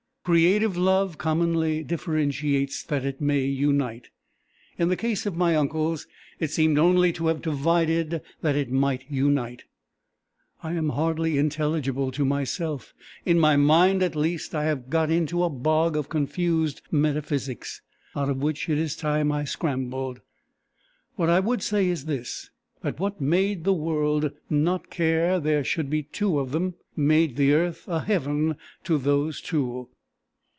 Creative Love commonly differentiates that it may unite; in the case of my uncles it seemed only to have divided that it might unite. I am hardly intelligible to myself; in my mind at least I have got into a bog of confused metaphysics, out of which it is time I scrambled. What I would say is this that what made the world not care there should be two of them, made the earth a heaven to those two.